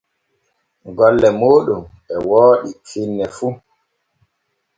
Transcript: Golle mooɗon e wooɗi finne fu.